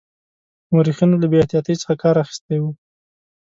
مورخینو له بې احتیاطی څخه کار اخیستی وي.